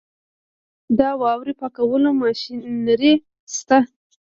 د واورې پاکولو ماشینري شته؟